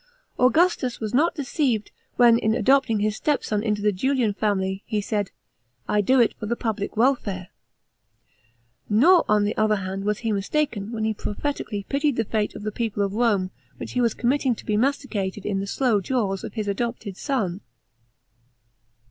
Augustus was not deceived, when, in adopting his stepson into the Julian family, he said " I do it for the public wellare ;" nor, on the other hand, was he mistaken when he prophetically pitied the fate of the people of Rome which he was committing to be masticated in the " slow jaws " of his adopted son.